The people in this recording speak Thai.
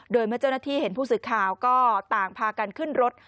โดยเมื่อเจ้าหน้าที่เห็นผู้สื่อข่าวก็ต่างพากันขึ้นรถ